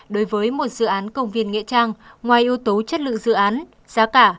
đối với một dự án công viên nghĩa trang ngoài yếu tố chất lượng dự án giá cả